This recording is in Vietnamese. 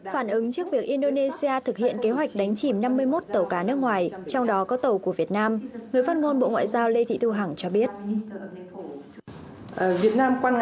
phản ứng trước việc indonesia thực hiện kế hoạch đánh chìm năm mươi một tàu cá nước ngoài trong đó có tàu của việt nam người phát ngôn bộ ngoại giao lê thị thu hằng cho biết